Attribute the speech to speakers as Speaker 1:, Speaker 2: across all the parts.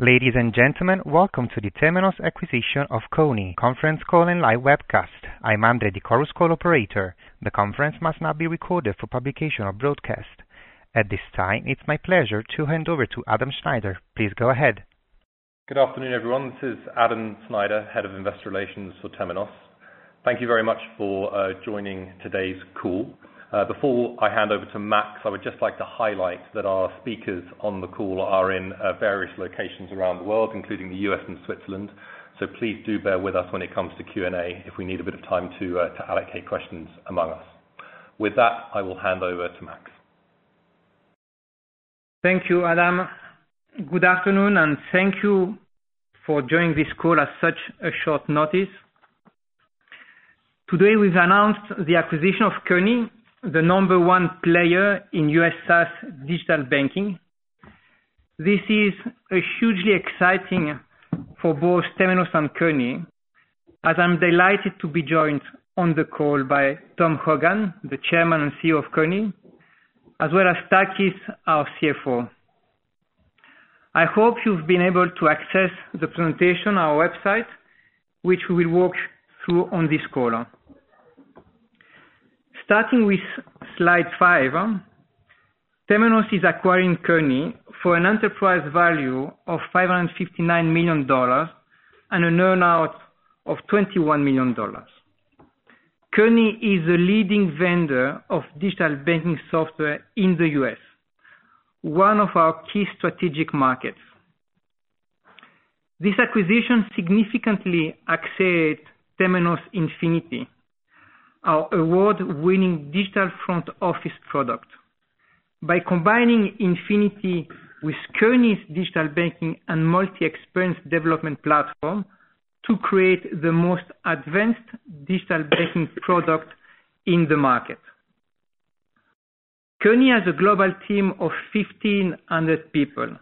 Speaker 1: Ladies and gentlemen, welcome to the Temenos acquisition of Kony conference call and live webcast. I'm Andrei, the Chorus Call operator. The conference must not be recorded for publication or broadcast. At this time, it's my pleasure to hand over to Adam Snyder. Please go ahead.
Speaker 2: Good afternoon, everyone. This is Adam Snyder, Head of Investor Relations for Temenos. Thank you very much for joining today's call. Before I hand over to Max, I would just like to highlight that our speakers on the call are in various locations around the world, including the U.S. and Switzerland. Please do bear with us when it comes to Q&A if we need a bit of time to allocate questions among us. With that, I will hand over to Max.
Speaker 3: Thank you, Adam. Good afternoon, and thank you for joining this call at such a short notice. Today, we've announced the acquisition of Kony, the number one player in U.S. SaaS digital banking. This is hugely exciting for both Temenos and Kony, as I'm delighted to be joined on the call by Tom Hogan, the chairman and CEO of Kony, as well as Takis, our CFO. I hope you've been able to access the presentation on our website, which we will walk through on this call. Starting with slide five. Temenos is acquiring Kony for an enterprise value of $559 million and an earn-out of $21 million. Kony is a leading vendor of digital banking software in the U.S., one of our key strategic markets. This acquisition significantly accelerates Temenos Infinity, our award-winning digital front office product, by combining Infinity with Kony's digital banking and multi-experience development platform to create the most advanced digital banking product in the market. Kony has a global team of 1,500 people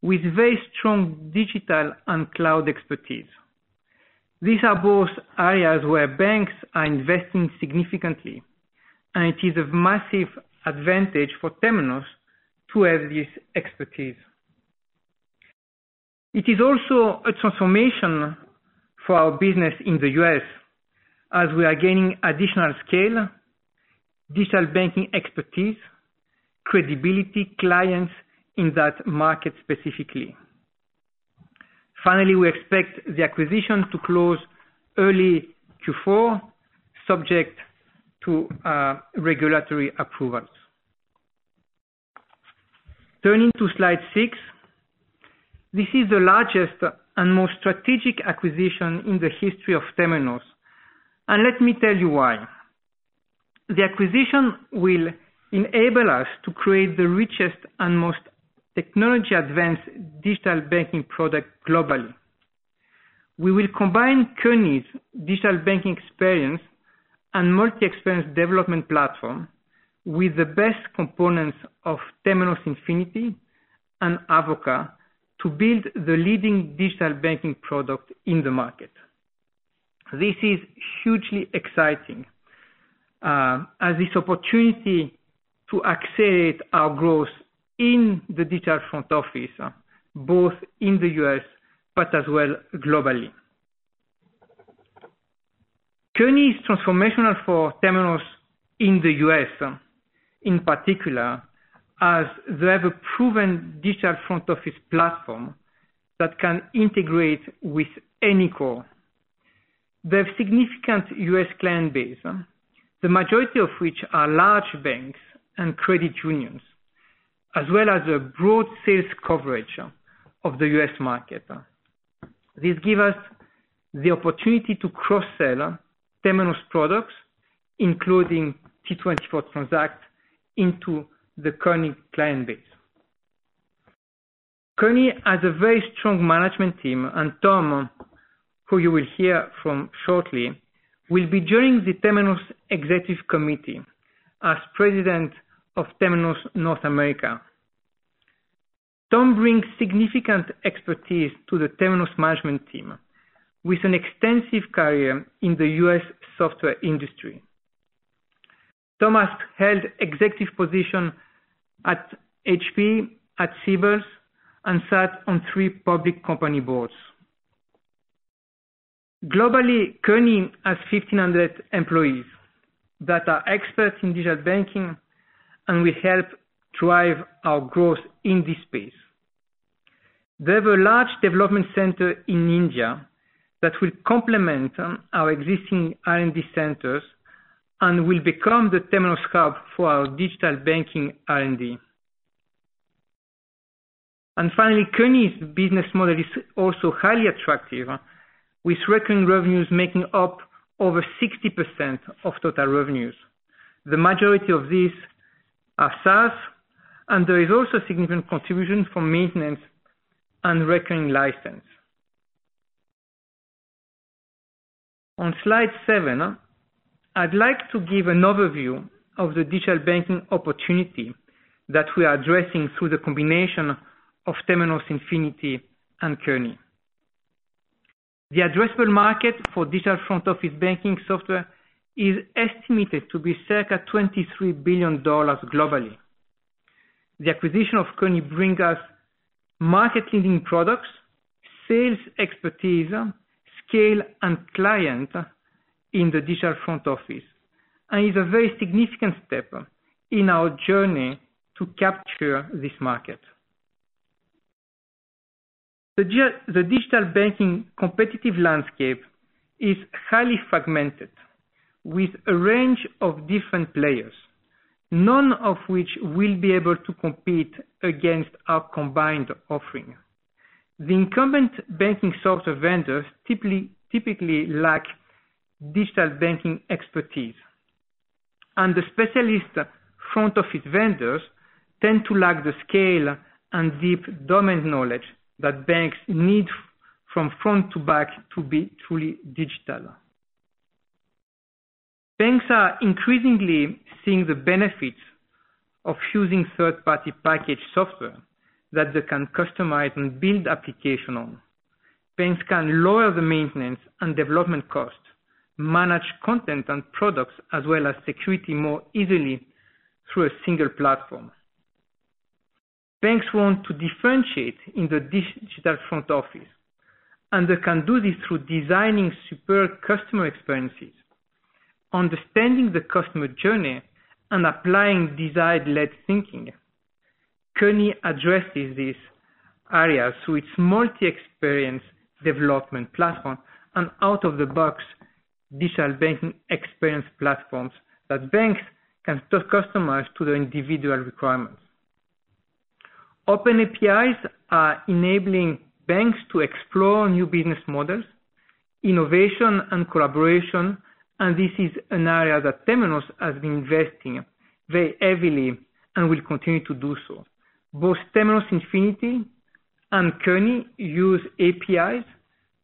Speaker 3: with very strong digital and cloud expertise. These are both areas where banks are investing significantly, and it is a massive advantage for Temenos to have this expertise. It is also a transformation for our business in the U.S. as we are gaining additional scale, digital banking expertise, credibility, clients in that market specifically. Finally, we expect the acquisition to close early Q4, subject to regulatory approvals. Turning to slide six. This is the largest and most strategic acquisition in the history of Temenos, and let me tell you why. The acquisition will enable us to create the richest and most technology-advanced digital banking product globally. We will combine Kony's digital banking experience and multi-experience development platform with the best components of Temenos Infinity and Avoka to build the leading digital banking product in the market. This is hugely exciting as this opportunity to accelerate our growth in the digital front office, both in the U.S. but as well globally. Kony is transformational for Temenos in the U.S., in particular, as they have a proven digital front office platform that can integrate with any core. They have a significant U.S. client base, the majority of which are large banks and credit unions, as well as a broad sales coverage of the U.S. market. This gives us the opportunity to cross-sell Temenos products, including T24 Transact, into the Kony client base. Kony has a very strong management team, and Tom, who you will hear from shortly, will be joining the Temenos Executive Committee as President of Temenos North America. Tom brings significant expertise to the Temenos management team, with an extensive career in the U.S. software industry. Thomas held executive positions at HP, at Siebel, and sat on three public company boards. Globally, Kony has 1,500 employees that are experts in digital banking and will help drive our growth in this space. They have a large development center in India that will complement our existing R&D centers and will become the Temenos hub for our digital banking R&D. Finally, Kony's business model is also highly attractive, with recurring revenues making up over 60% of total revenues. The majority of these are SaaS, and there is also significant contribution from maintenance and recurring license. On slide seven, I'd like to give an overview of the digital banking opportunity that we are addressing through the combination of Temenos Infinity and Kony. The addressable market for digital front office banking software is estimated to be circa $23 billion globally. The acquisition of Kony brings us market-leading products, sales expertise, scale, and client in the digital front office, and is a very significant step in our journey to capture this market. The digital banking competitive landscape is highly fragmented with a range of different players, none of which will be able to compete against our combined offering. The incumbent banking software vendors typically lack digital banking expertise, and the specialist front office vendors tend to lack the scale and deep domain knowledge that banks need from front to back to be truly digital. Banks are increasingly seeing the benefits of using third-party package software that they can customize and build application on. Banks can lower the maintenance and development costs, manage content and products, as well as security more easily through a single platform. Banks want to differentiate in the digital front office, and they can do this through designing superb customer experiences, understanding the customer journey, and applying design-led thinking. Kony addresses these areas through its multi-experience development platform and out-of-the-box digital banking experience platforms that banks can customize to their individual requirements. Open APIs are enabling banks to explore new business models, innovation, and collaboration, and this is an area that Temenos has been investing very heavily and will continue to do so. Both Temenos Infinity and Kony use APIs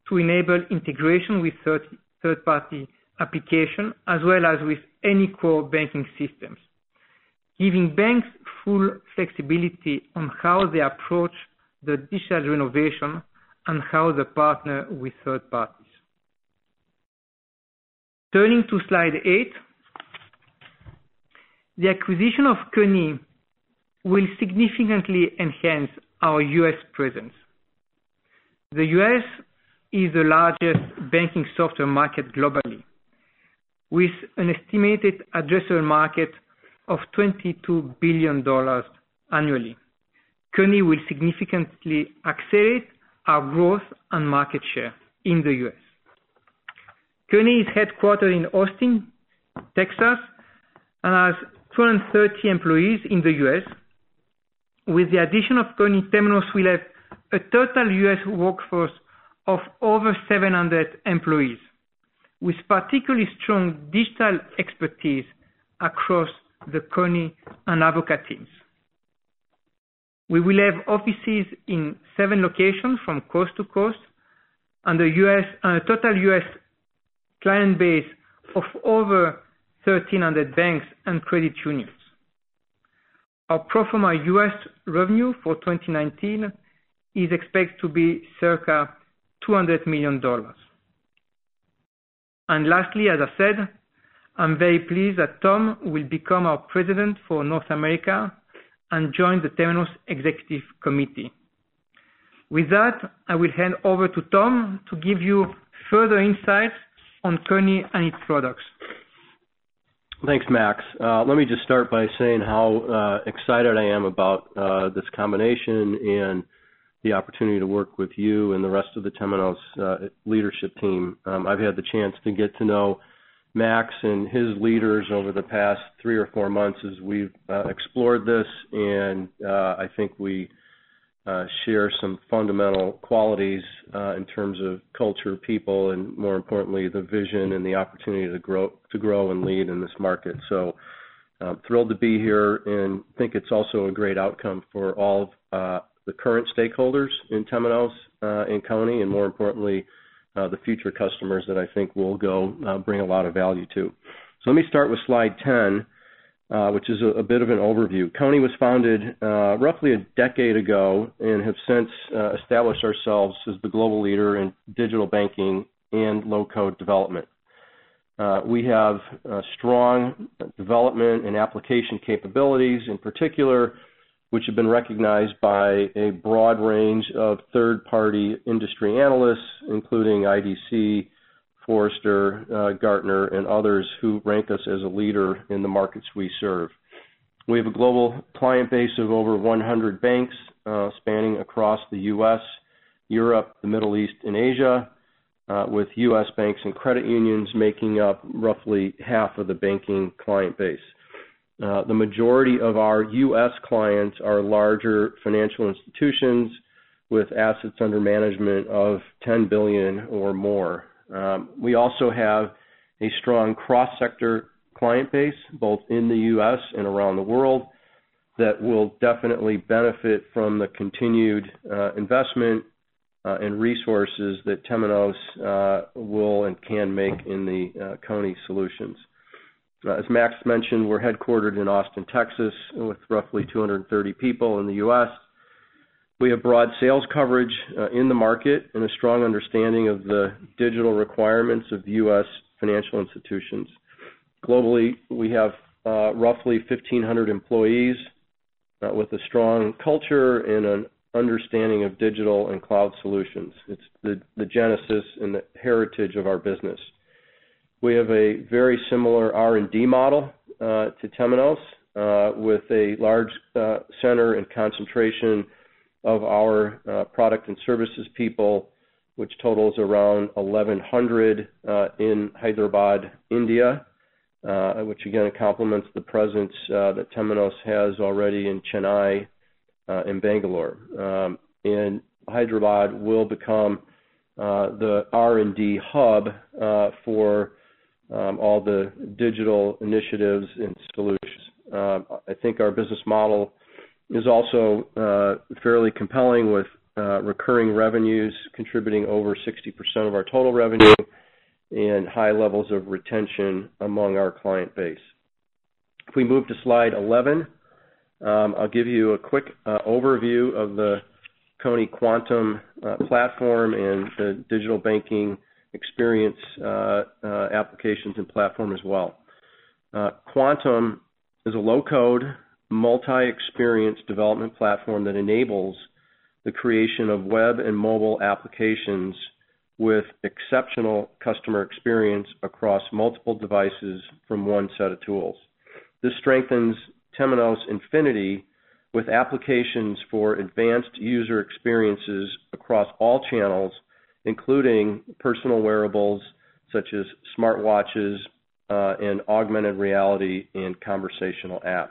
Speaker 3: to enable integration with third-party application as well as with any core banking systems, giving banks full flexibility on how they approach the digital renovation and how they partner with third parties. Turning to slide eight. The acquisition of Kony will significantly enhance our U.S. presence. The U.S. is the largest banking software market globally, with an estimated addressable market of $22 billion annually. Kony will significantly accelerate our growth and market share in the U.S. Kony is headquartered in Austin, Texas, and has 230 employees in the U.S. With the addition of Kony, Temenos will have a total U.S. workforce of over 700 employees with particularly strong digital expertise across the Kony and Avoka teams. We will have offices in seven locations from coast to coast and a total U.S. client base of over 1,300 banks and credit unions. Our pro forma U.S. revenue for 2019 is expected to be circa $200 million. Lastly, as I said, I'm very pleased that Tom will become our President for North America and join the Temenos Executive Committee. That, I will hand over to Tom to give you further insights on Kony and its products.
Speaker 4: Thanks, Max. Let me just start by saying how excited I am about this combination and the opportunity to work with you and the rest of the Temenos leadership team. I've had the chance to get to know Max and his leaders over the past three or four months as we've explored this, and I think we share some fundamental qualities, in terms of culture, people, and more importantly, the vision and the opportunity to grow and lead in this market. I'm thrilled to be here and think it's also a great outcome for all the current stakeholders in Temenos, in Kony, and more importantly, the future customers that I think we'll go bring a lot of value to. Let me start with slide 10, which is a bit of an overview. Kony was founded roughly a decade ago and have since established ourselves as the global leader in digital banking and low-code development. We have strong development and application capabilities in particular, which have been recognized by a broad range of third-party industry analysts, including IDC, Forrester, Gartner, and others who rank us as a leader in the markets we serve. We have a global client base of over 100 banks spanning across the U.S., Europe, the Middle East, and Asia, with U.S. banks and credit unions making up roughly half of the banking client base. The majority of our U.S. clients are larger financial institutions with assets under management of $10 billion or more. We also have a strong cross-sector client base both in the U.S. and around the world that will definitely benefit from the continued investment and resources that Temenos will and can make in the Kony solutions. As Max mentioned, we're headquartered in Austin, Texas, with roughly 230 people in the U.S. We have broad sales coverage in the market and a strong understanding of the digital requirements of U.S. financial institutions. Globally, we have roughly 1,500 employees with a strong culture and an understanding of digital and cloud solutions. It's the genesis and the heritage of our business. We have a very similar R&D model to Temenos, with a large center and concentration of our product and services people, which totals around 1,100 in Hyderabad, India, which again complements the presence that Temenos has already in Chennai and Bangalore. Hyderabad will become the R&D hub for all the digital initiatives and solutions. I think our business model is also fairly compelling with recurring revenues contributing over 60% of our total revenue and high levels of retention among our client base. If we move to slide 11, I'll give you a quick overview of the Kony Quantum platform and the digital banking experience applications and platform as well. Quantum is a low-code, multi-experience development platform that enables the creation of web and mobile applications with exceptional customer experience across multiple devices from one set of tools. This strengthens Temenos Infinity with applications for advanced user experiences across all channels, including personal wearables such as smartwatches, and augmented reality in conversational apps.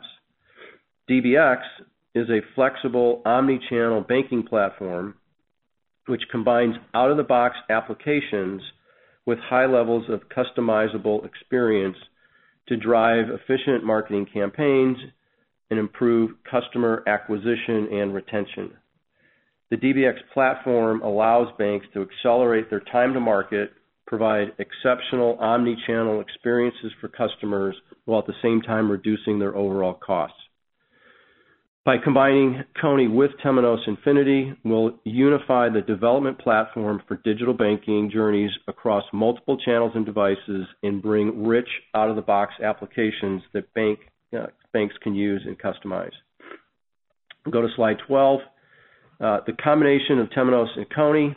Speaker 4: DBX is a flexible omni-channel banking platform which combines out-of-the-box applications with high levels of customizable experience to drive efficient marketing campaigns and improve customer acquisition and retention. The DBX platform allows banks to accelerate their time to market, provide exceptional omni-channel experiences for customers, while at the same time reducing their overall costs. By combining Kony with Temenos Infinity, we'll unify the development platform for digital banking journeys across multiple channels and devices and bring rich out-of-the-box applications that banks can use and customize. Go to slide 12. The combination of Temenos and Kony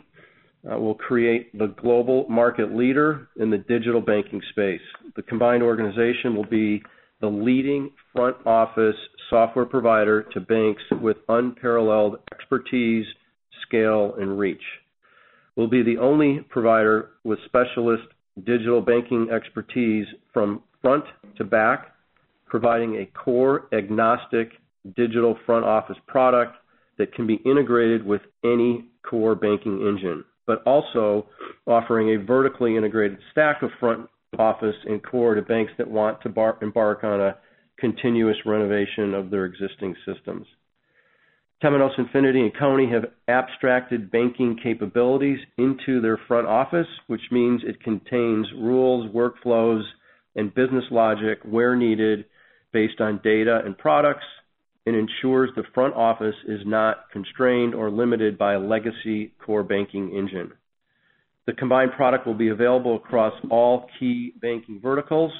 Speaker 4: will create the global market leader in the digital banking space. The combined organization will be the leading front-office software provider to banks with unparalleled expertise, scale, and reach. We'll be the only provider with specialist digital banking expertise from front to back, providing a core-agnostic digital front-office product that can be integrated with any core banking engine. Also offering a vertically integrated stack of front office and core to banks that want to embark on a continuous renovation of their existing systems. Temenos Infinity and Kony have abstracted banking capabilities into their front office, which means it contains rules, workflows, and business logic where needed based on data and products, and ensures the front office is not constrained or limited by a legacy core banking engine. The combined product will be available across all key banking verticals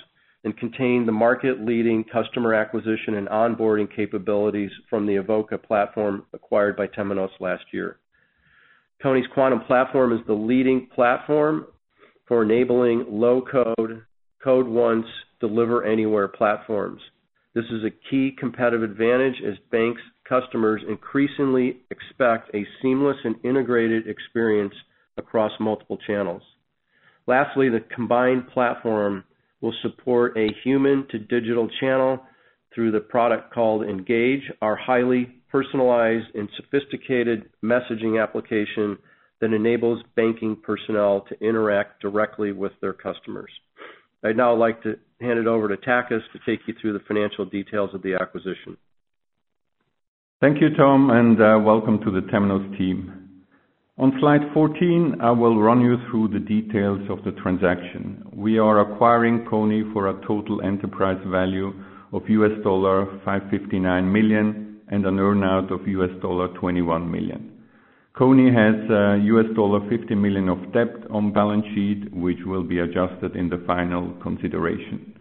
Speaker 4: and contain the market-leading customer acquisition and onboarding capabilities from the Avoka platform acquired by Temenos last year. Kony Quantum platform is the leading platform for enabling low-code, code once, deliver anywhere platforms. This is a key competitive advantage as banks' customers increasingly expect a seamless and integrated experience across multiple channels. Lastly, the combined platform will support a human-to-digital channel through the product called Engage, our highly personalized and sophisticated messaging application that enables banking personnel to interact directly with their customers. I'd now like to hand it over to Takis to take you through the financial details of the acquisition.
Speaker 5: Thank you, Tom, and welcome to the Temenos team. On slide 14, I will run you through the details of the transaction. We are acquiring Kony for a total enterprise value of $559 million and an earn-out of $21 million. Kony has $50 million of debt on balance sheet, which will be adjusted in the final consideration.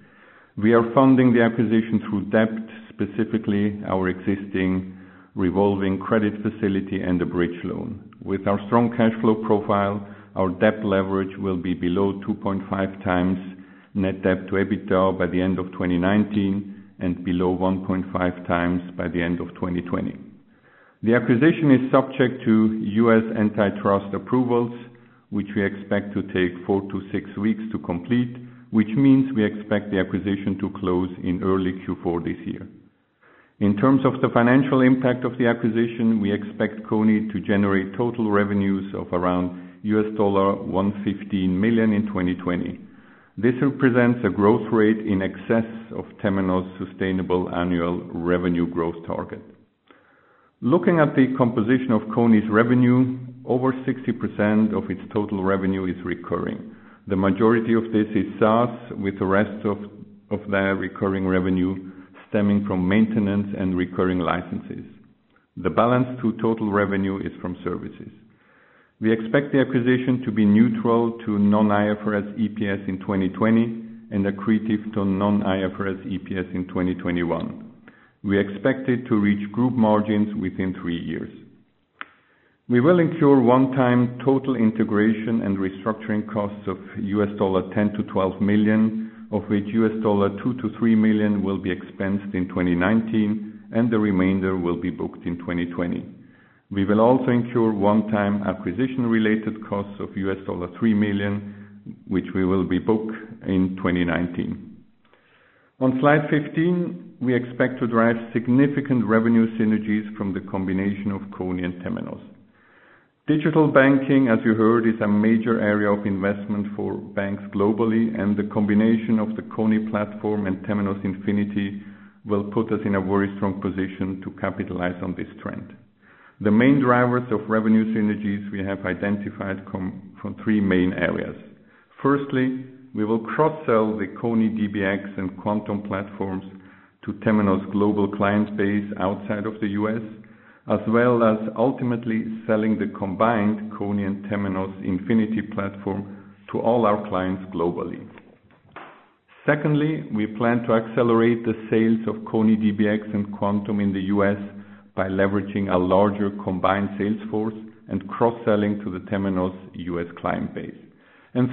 Speaker 5: We are funding the acquisition through debt, specifically our existing revolving credit facility and the bridge loan. With our strong cash flow profile, our debt leverage will be below 2.5 times net debt to EBITDA by the end of 2019 and below 1.5 times by the end of 2020. The acquisition is subject to U.S. antitrust approvals, which we expect to take 4 to 6 weeks to complete, which means we expect the acquisition to close in early Q4 this year. In terms of the financial impact of the acquisition, we expect Kony to generate total revenues of around $115 million in 2020. This represents a growth rate in excess of Temenos' sustainable annual revenue growth target. Looking at the composition of Kony's revenue, over 60% of its total revenue is recurring. The majority of this is SaaS, with the rest of their recurring revenue stemming from maintenance and recurring licenses. The balance to total revenue is from services. We expect the acquisition to be neutral to non-IFRS EPS in 2020, and accretive to non-IFRS EPS in 2021. We expect it to reach group margins within three years. We will incur one-time total integration and restructuring costs of $10 million-$12 million, of which $2 million-$3 million will be expensed in 2019, and the remainder will be booked in 2020. We will also incur one-time acquisition-related costs of $3 million, which we will rebook in 2019. On slide 15, we expect to drive significant revenue synergies from the combination of Kony and Temenos. Digital banking, as you heard, is a major area of investment for banks globally, and the combination of the Kony platform and Temenos Infinity will put us in a very strong position to capitalize on this trend. The main drivers of revenue synergies we have identified come from three main areas. Firstly, we will cross-sell the Kony DBX and Quantum platforms to Temenos' global client base outside of the U.S., as well as ultimately selling the combined Kony and Temenos Infinity platform to all our clients globally. Secondly, we plan to accelerate the sales of Kony DBX and Quantum in the U.S. by leveraging a larger combined sales force and cross-selling to the Temenos U.S. client base.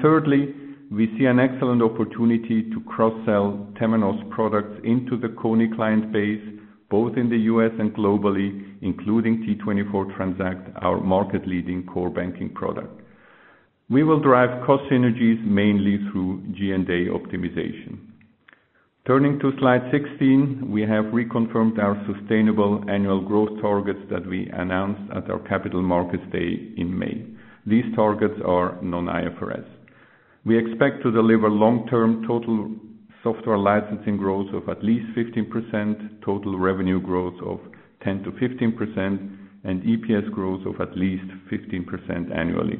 Speaker 5: Thirdly, we see an excellent opportunity to cross-sell Temenos products into the Kony client base, both in the U.S. and globally, including T24 Transact, our market-leading core banking product. We will drive cost synergies mainly through G&A optimization. Turning to slide 16, we have reconfirmed our sustainable annual growth targets that we announced at our capital markets day in May. These targets are non-IFRS. We expect to deliver long-term total software licensing growth of at least 15%, total revenue growth of 10%-15%, and EPS growth of at least 15% annually.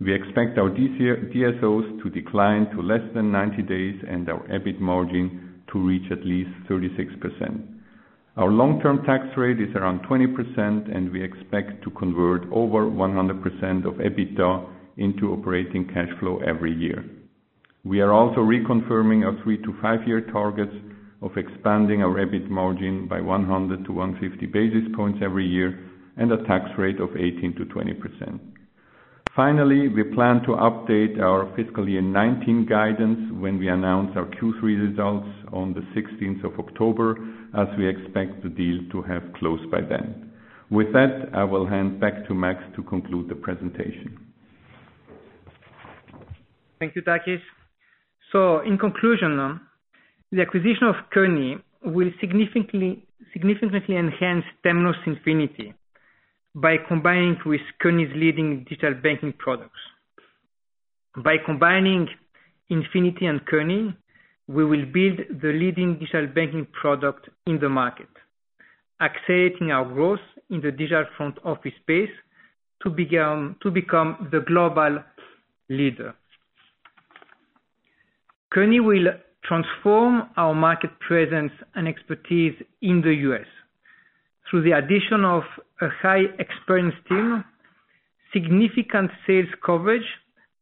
Speaker 5: We expect our DSOs to decline to less than 90 days, and our EBIT margin to reach at least 36%. Our long-term tax rate is around 20%, and we expect to convert over 100% of EBITDA into operating cash flow every year. We are also reconfirming our three- to five-year targets of expanding our EBIT margin by 100 to 150 basis points every year, and a tax rate of 18%-20%. Finally, we plan to update our fiscal year 2019 guidance when we announce our Q3 results on the 16th of October, as we expect the deal to have closed by then. With that, I will hand back to Max to conclude the presentation.
Speaker 3: Thank you, Takis. In conclusion, the acquisition of Kony will significantly enhance Temenos Infinity by combining with Kony's leading digital banking products. By combining Infinity and Kony, we will build the leading digital banking product in the market, accelerating our growth in the digital front office space to become the global leader. Kony will transform our market presence and expertise in the U.S. through the addition of a high experienced team, significant sales coverage,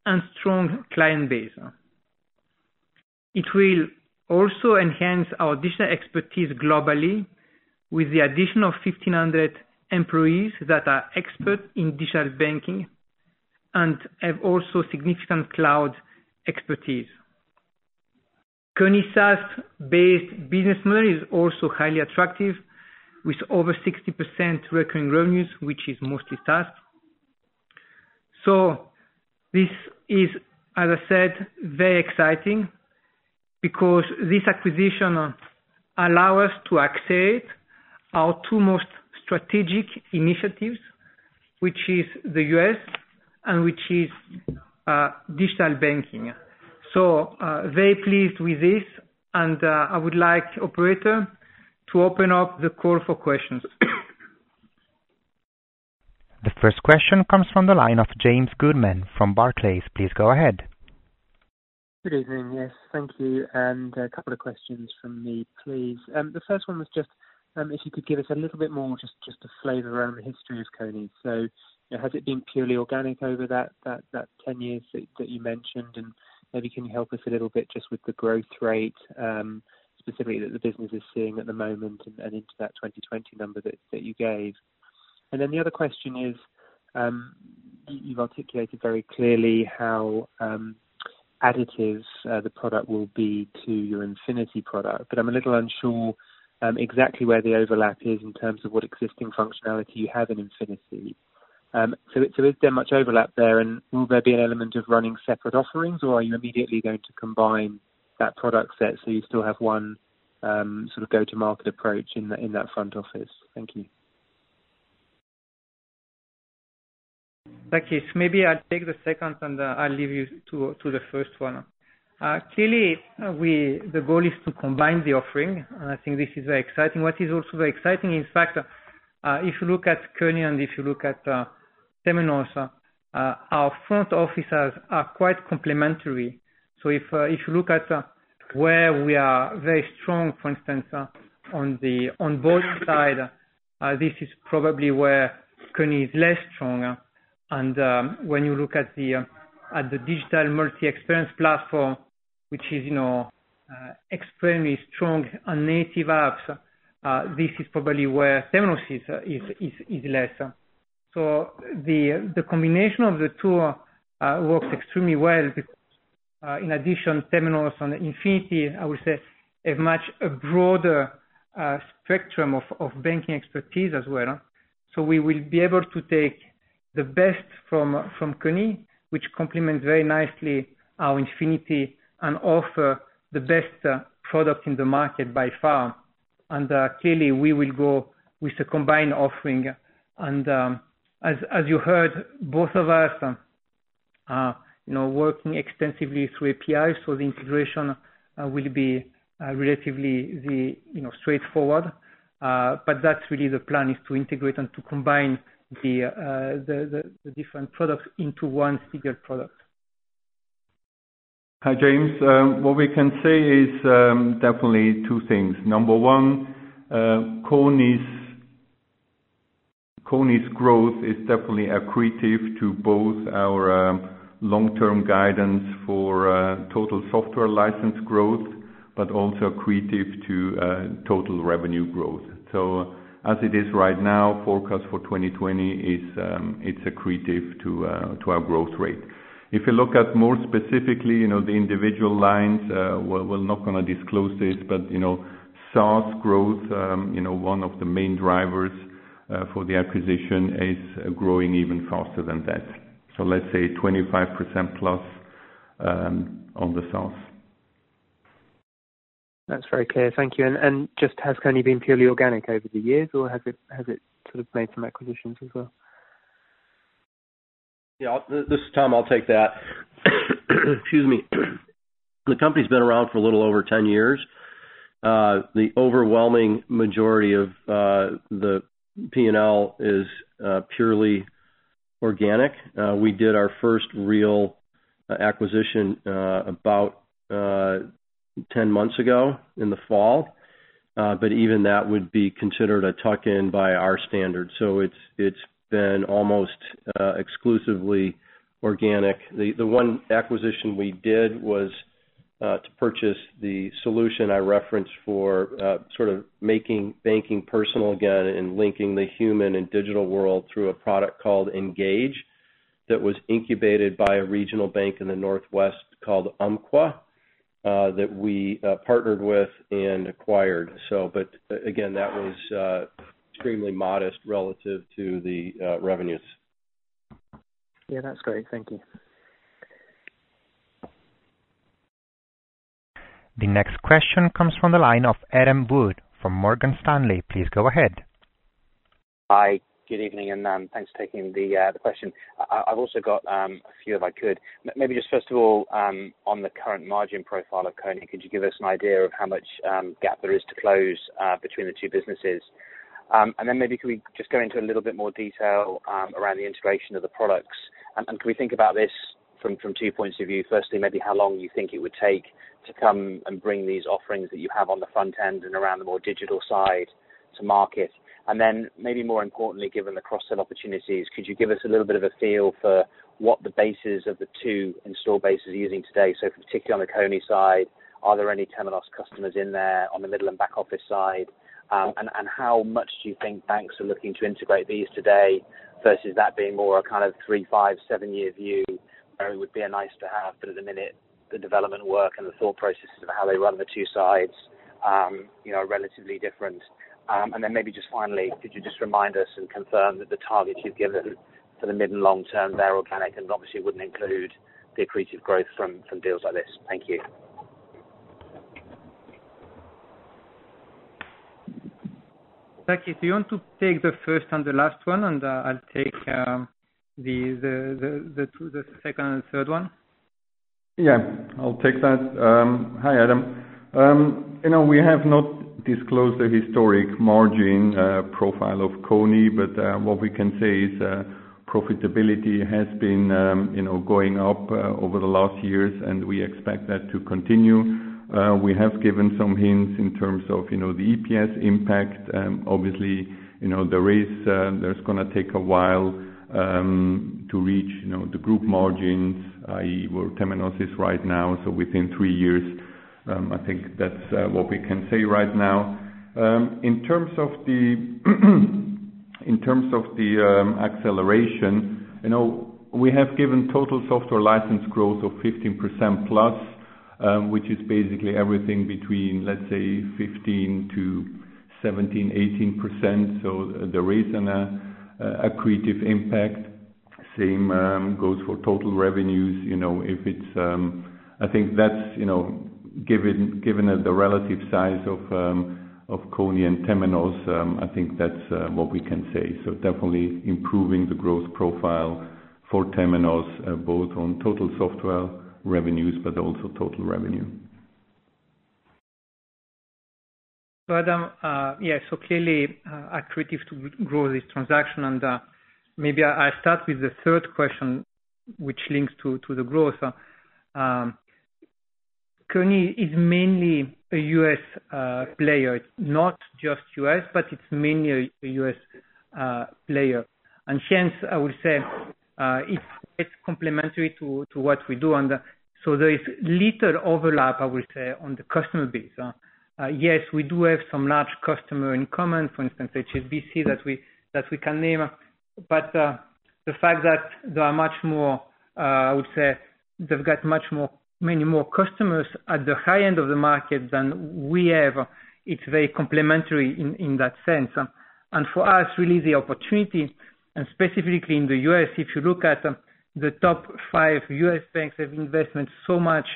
Speaker 3: and strong client base. It will also enhance our digital expertise globally with the addition of 1,500 employees that are expert in digital banking and have also significant cloud expertise. Kony SaaS-based business model is also highly attractive, with over 60% recurring revenues, which is mostly SaaS. This is, as I said, very exciting because this acquisition allow us to accelerate our two most strategic initiatives, which is the U.S., and which is digital banking. Very pleased with this and I would like Operator to open up the call for questions.
Speaker 1: The first question comes from the line of James Goodman from Barclays. Please go ahead.
Speaker 6: Good evening. Yes. Thank you. A couple of questions from me, please. The first one was just if you could give us a little bit more, just to flavor around the history of Kony. Has it been purely organic over that 10 years that you mentioned? Maybe can you help us a little bit just with the growth rate, specifically that the business is seeing at the moment and into that 2020 number that you gave? The other question is, you've articulated very clearly how additive the product will be to your Infinity product, but I'm a little unsure exactly where the overlap is in terms of what existing functionality you have in Infinity. Is there much overlap there, and will there be an element of running separate offerings, or are you immediately going to combine that product set so you still have one sort of go-to-market approach in that front office? Thank you.
Speaker 3: Thank you. Maybe I'll take the second, and I'll leave you to the first one. Clearly, the goal is to combine the offering. I think this is very exciting. What is also very exciting, in fact, if you look at Kony and if you look at Temenos, our front offices are quite complementary. If you look at where we are very strong, for instance, on both sides, this is probably where Kony is less strong. When you look at the digital multi-experience platform, which is extremely strong on native apps, this is probably where Temenos is less. The combination of the two works extremely well. In addition, Temenos on Infinity, I would say, is much a broader spectrum of banking expertise as well. We will be able to take the best from Kony, which complements very nicely our Infinity and offer the best product in the market by far. Clearly, we will go with a combined offering. As you heard, both of us are working extensively through API, so the integration will be relatively straightforward. That's really the plan, is to integrate and to combine the different products into one single product.
Speaker 5: Hi, James. What we can say is definitely two things. Number one, Kony's growth is definitely accretive to both our long-term guidance for total software license growth, but also accretive to total revenue growth. As it is right now, forecast for 2020, it's accretive to our growth rate. If you look at more specifically the individual lines, we're not going to disclose this, but SaaS growth, one of the main drivers for the acquisition is growing even faster than that. Let's say 25% plus on the SaaS.
Speaker 6: That's very clear. Thank you. Just has Kony been purely organic over the years, or has it sort of made some acquisitions as well?
Speaker 4: Yeah. This is Tom, I'll take that. Excuse me. The company's been around for a little over 10 years. The overwhelming majority of the P&L is purely organic. We did our first real acquisition about 10 months ago in the fall. Even that would be considered a tuck-in by our standards. It's been almost exclusively organic. The one acquisition we did was to purchase the solution I referenced for sort of making banking personal again and linking the human and digital world through a product called Engage that was incubated by a regional bank in the Northwest called Umpqua, that we partnered with and acquired. Again, that was extremely modest relative to the revenues.
Speaker 6: Yeah, that's great. Thank you.
Speaker 1: The next question comes from the line of Adam Wood from Morgan Stanley. Please go ahead.
Speaker 7: Hi, good evening, and thanks for taking the question. I've also got a few, if I could. Maybe just first of all, on the current margin profile of Kony, could you give us an idea of how much gap there is to close between the two businesses? Then maybe could we just go into a little bit more detail around the integration of the products? Can we think about this from two points of view? Firstly, maybe how long you think it would take to come and bring these offerings that you have on the front end and around the more digital side to market. Then maybe more importantly, given the cross-sell opportunities, could you give us a little bit of a feel for what the bases of the two install bases are using today? Particularly on the Kony side, are there any Temenos customers in there on the middle and back office side? How much do you think banks are looking to integrate these today versus that being more a kind of three, five, seven-year view where it would be a nice to have, but at the minute, the development work and the thought processes of how they run the two sides are relatively different. Maybe just finally, could you just remind us and confirm that the targets you've given for the mid and long term, they're organic and obviously wouldn't include the accretive growth from deals like this? Thank you.
Speaker 3: Thank you. Do you want to take the first and the last one, and I'll take the second and third one?
Speaker 5: I'll take that. Hi, Adam. We have not disclosed the historic margin profile of Kony, but what we can say is profitability has been going up over the last years, and we expect that to continue. We have given some hints in terms of the EPS impact. Obviously, there's going to take a while to reach the group margins, i.e., where Temenos is right now. Within three years. I think that's what we can say right now. In terms of the acceleration, we have given total software license growth of 15% plus, which is basically everything between, let's say, 15%-17%, 18%. There is an accretive impact. Same goes for total revenues. Given the relative size of Kony and Temenos, I think that's what we can say. Definitely improving the growth profile for Temenos, both on total software revenues, but also total revenue.
Speaker 3: Adam, yeah. Clearly accretive to grow this transaction. Maybe I start with the third question, which links to the growth. Kony is mainly a U.S. player, not just U.S., but it's mainly a U.S. player. Hence, I would say it's complementary to what we do. There is little overlap, I would say, on the customer base. Yes, we do have some large customer in common, for instance, HSBC, that we can name. The fact that there are much more, I would say, they've got many more customers at the high end of the market than we have, it's very complementary in that sense. For us, really the opportunity and specifically in the U.S., if you look at the top five U.S. banks have investment so much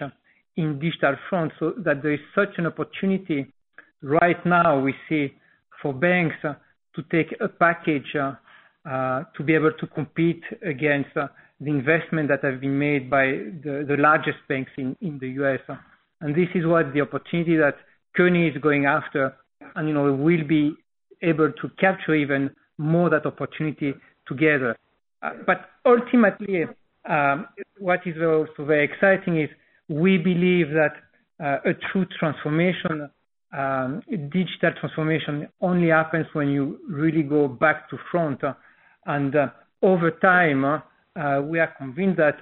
Speaker 3: in digital front, so that there is such an opportunity right now we see for banks to take a package, to be able to compete against the investment that have been made by the largest banks in the U.S. This is what the opportunity that Kony is going after, and we'll be able to capture even more that opportunity together. Ultimately, what is also very exciting is we believe that a true transformation, digital transformation only happens when you really go back to front. Over time, we are convinced that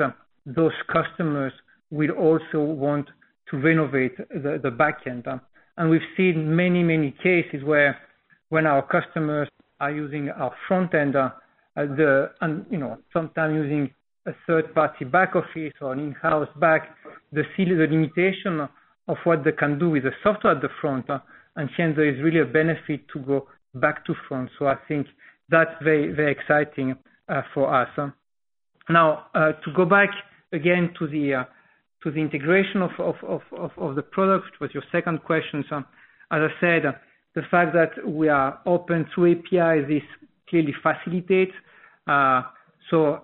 Speaker 3: those customers will also want to renovate the back-end. We've seen many, many cases where when our customers are using our front-end, sometimes using a third-party back office or an in-house back, they see the limitation of what they can do with the software at the front, and hence there is really a benefit to go back to front. I think that's very, very exciting for us. To go back again to the integration of the product, was your second question. As I said, the fact that we are open through API, this clearly facilitates.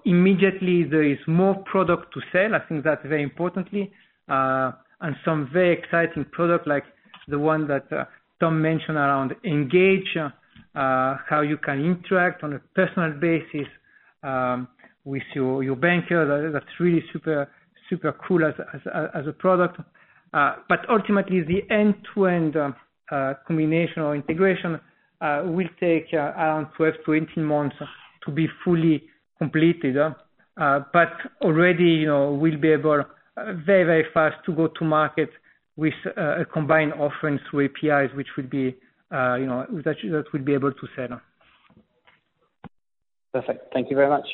Speaker 3: Immediately there is more product to sell. I think that's very importantly, and some very exciting product like the one that Tom mentioned around Engage, how you can interact on a personal basis, with your banker. That's really super cool as a product. Ultimately the end-to-end combination or integration will take around 12-18 months to be fully completed. Already we'll be able very, very fast to go to market with a combined offering through APIs, which that we'll be able to sell.
Speaker 7: Perfect. Thank you very much.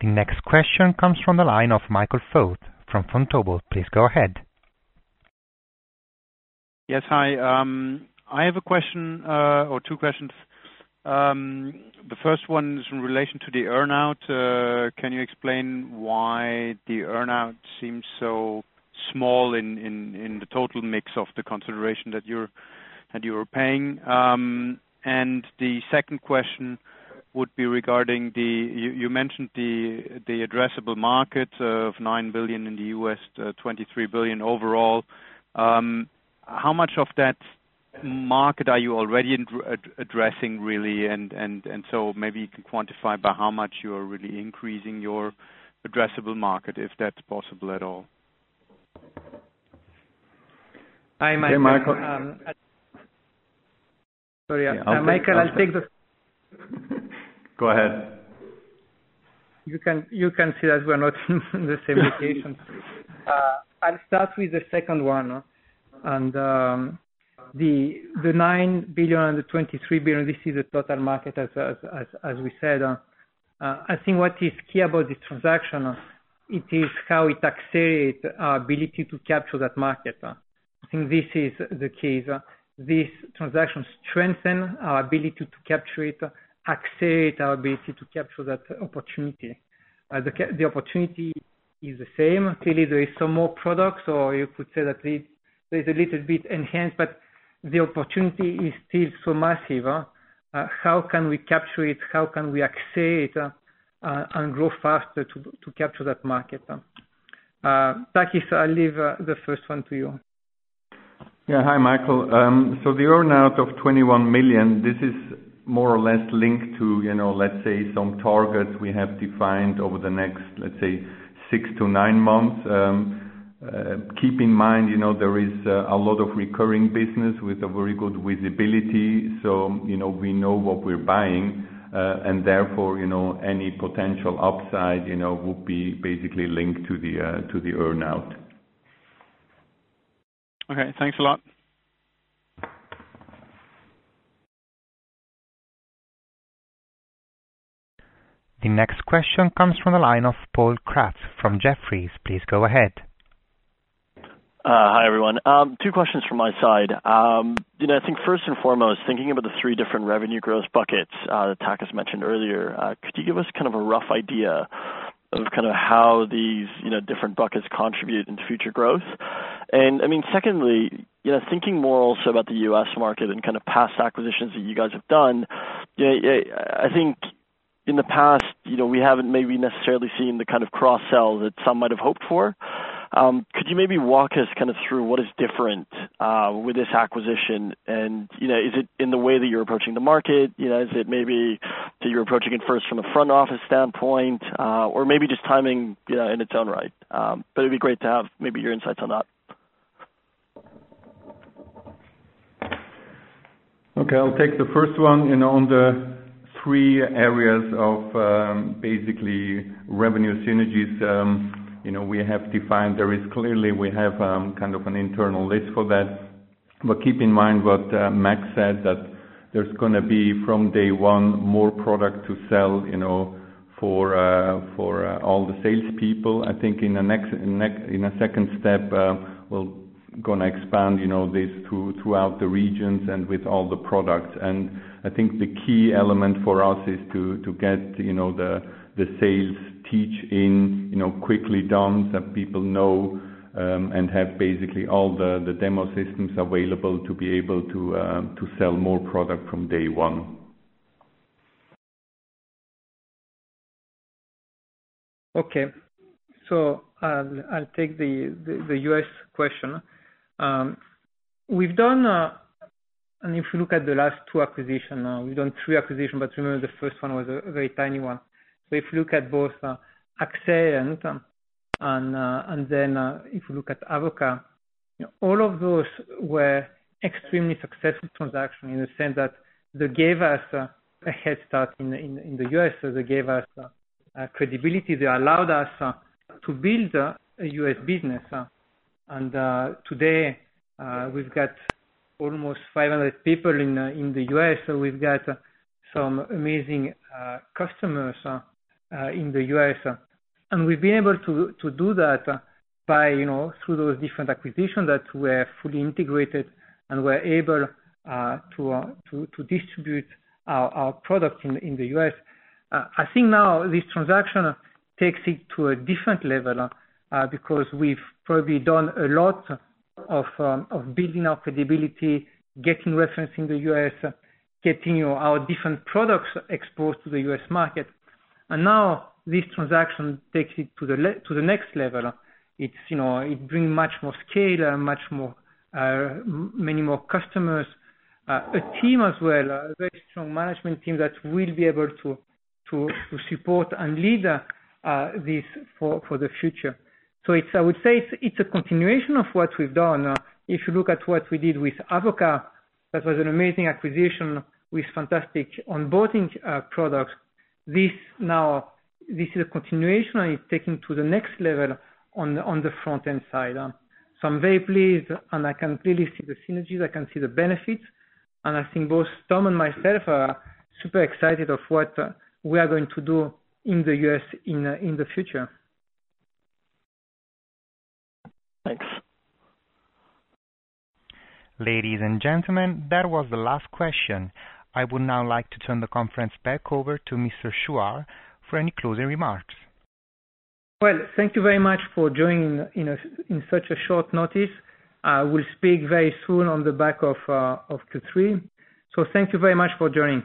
Speaker 1: The next question comes from the line of Michael Foeth from Vontobel. Please go ahead.
Speaker 8: Yes. Hi, I have a question or two questions. The first one is in relation to the earn-out. Can you explain why the earn-out seems so small in the total mix of the consideration that you were paying? The second question would be regarding the, you mentioned the addressable market of $9 billion in the U.S., $23 billion overall. How much of that market are you already addressing really? Maybe you can quantify by how much you are really increasing your addressable market, if that's possible at all.
Speaker 3: Hi, Michael.
Speaker 5: Hey, Michael.
Speaker 3: Sorry. Michael, I'll take.
Speaker 5: Go ahead.
Speaker 3: You can see that we're not in the same location. I'll start with the second one. The $9 billion and the $23 billion, this is the total market as we said. I think what is key about this transaction, it is how it accelerates our ability to capture that market. I think this is the case. This transaction strengthen our ability to capture it, accelerate our ability to capture that opportunity. The opportunity is the same. Clearly, there is some more products or you could say that there's a little bit enhanced, but the opportunity is still so massive. How can we capture it? How can we accelerate and grow faster to capture that market? Takis, I'll leave the first one to you.
Speaker 5: Yeah. Hi, Michael. The earn-out of $21 million, this is more or less linked to let's say some targets we have defined over the next, let's say, six to nine months. Keep in mind, there is a lot of recurring business with a very good visibility, so we know what we're buying. Therefore, any potential upside would be basically linked to the earn-out.
Speaker 8: Okay, thanks a lot.
Speaker 1: The next question comes from the line of Paul Kratz from Jefferies. Please go ahead.
Speaker 9: Hi, everyone. Two questions from my side. I think first and foremost, thinking about the three different revenue growth buckets that Takis mentioned earlier, could you give us a rough idea of how these different buckets contribute into future growth? Secondly, thinking more also about the U.S. market and past acquisitions that you guys have done, I think in the past we haven't maybe necessarily seen the kind of cross-sell that some might have hoped for. Could you maybe walk us through what is different with this acquisition and is it in the way that you're approaching the market? Is it maybe that you're approaching it first from a front office standpoint or maybe just timing in its own right? It'd be great to have maybe your insights on that.
Speaker 5: Okay. I'll take the first one. On the three areas of basically revenue synergies we have defined, there is clearly we have an internal list for that. Keep in mind what Max said, that there's going to be, from day one, more product to sell for all the salespeople. I think in a second step, we'll going to expand this throughout the regions and with all the products. I think the key element for us is to get the sales teach in quickly done, so that people know and have basically all the demo systems available to be able to sell more product from day one.
Speaker 3: I'll take the U.S. question. If you look at the last 2 acquisition now, we've done 3 acquisition, but remember the first one was a very tiny one. If you look at both [Axway] and then if you look at Avoka, all of those were extremely successful transaction in the sense that they gave us a head start in the U.S. They gave us credibility. They allowed us to build a U.S. business. Today, we've got almost 500 people in the U.S., so we've got some amazing customers in the U.S. We've been able to do that through those different acquisitions that were fully integrated and were able to distribute our product in the U.S. I think now this transaction takes it to a different level, because we've probably done a lot of building our credibility, getting reference in the U.S., getting our different products exposed to the U.S. market. Now this transaction takes it to the next level. It bring much more scale, many more customers. A team as well, a very strong management team that will be able to support and lead this for the future. I would say it's a continuation of what we've done. If you look at what we did with Avoka, that was an amazing acquisition with fantastic onboarding products. This is a continuation, and it's taking to the next level on the front-end side. I'm very pleased, and I can clearly see the synergies, I can see the benefits, and I think both Tom and myself are super excited of what we are going to do in the U.S. in the future.
Speaker 9: Thanks.
Speaker 1: Ladies and gentlemen, that was the last question. I would now like to turn the conference back over to Mr. Chuard for any closing remarks.
Speaker 3: Well, thank you very much for joining in such a short notice. I will speak very soon on the back of Q3. Thank you very much for joining.